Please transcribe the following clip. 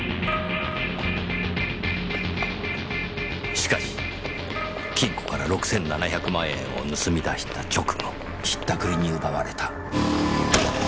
しかし金庫から６７００万円を盗み出した直後引ったくりに奪われた。